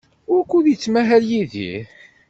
Wukud yettmahal Yidir?